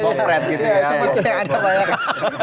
sepertinya ada banyak